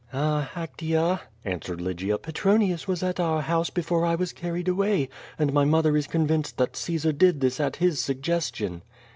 '' "Ah, Actea," answered Lygia, 'Tetronius was at our house before I was carried away, and my mother is convinced that Caesar did this at his suggestion."